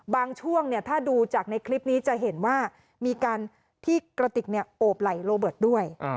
ช่วงถ้าดูจากในคลิปนี้จะเห็นว่ามีการที่กระติกโอบไหล่โรเบิร์ตด้วย